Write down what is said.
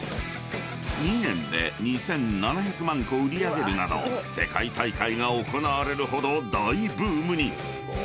［２年で２，７００万個売り上げるなど世界大会が行われるほど大ブームに］